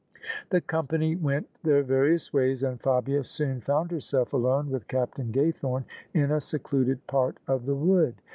The company went their various ways: and Fabia soon found herself alone with Captain Gaythorne in a secluded part of the wood.